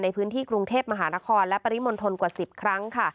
ในพื้นที่กรุงเทพมหานครและปริมณฑลกว่า๑๐ครั้งค่ะ